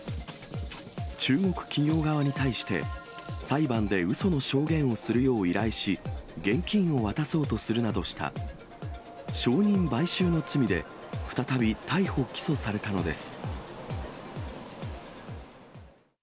中国企業側に対して、裁判でうその証言をするよう依頼し、現金を渡そうとするなどした証人買収の罪で再び逮捕・起訴されたのです。